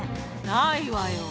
ないわよ。